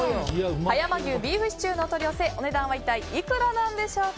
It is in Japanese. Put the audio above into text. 葉山牛ビーフシチューのお取り寄せお値段は一体いくらでしょうか。